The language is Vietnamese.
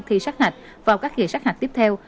thi sát hạch vào các kỳ sát hạch tiếp theo